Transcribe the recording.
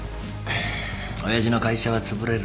親父の会社はつぶれる。